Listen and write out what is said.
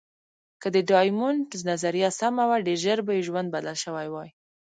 که د ډایمونډ نظریه سمه وه، ډېر ژر به یې ژوند بدل شوی وای.